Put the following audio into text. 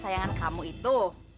kesayangan kamu itu